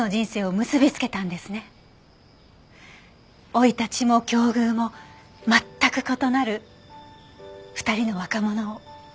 生い立ちも境遇も全く異なる２人の若者を。